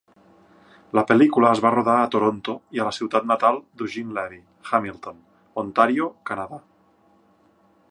La pel·lícula es va rodar a Toronto i a la ciutat natal d'Eugene Levy, Hamilton, Ontario, Canadà.